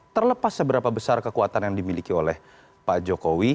terlepas seberapa besar kekuatan yang dimiliki oleh pak jokowi